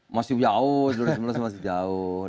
masih jauh dua ribu sembilan belas masih jauh